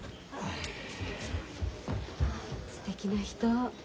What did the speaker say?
すてきな人。